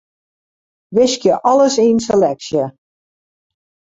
Wiskje alles yn seleksje.